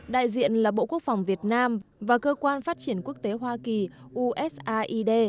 đại diện là bộ quốc phòng việt nam và cơ quan phát triển quốc tế hoa kỳ usaid